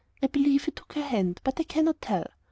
I believe he took her hand, but I cannot tell.